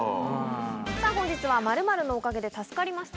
さあ、本日は○○のおかげで助かりました